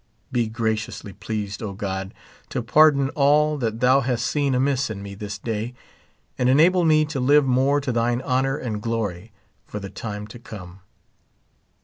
Be graciously pleased, O God, to pardon all that thou hast seen amiss in me this day, and enable me to live more to thine honor and glory for the time to come.